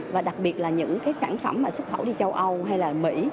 và đặc biệt là những cái sản phẩm mà xuất khẩu đi châu âu hay là mỹ